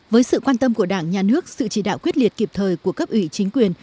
với sự quan tâm của đảng nhà nước sự chỉ đạo quyết liệt kịp thời của cấp ủy chính quyền